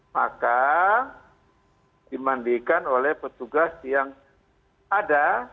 maka dimandikan oleh petugas yang ada